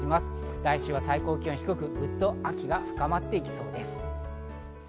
来週は最高気温がグッと低く、秋が深まっていきそうです。